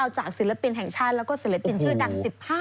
ศิลปินแห่งชาติแล้วก็ศิลปินชื่อดัง๑๕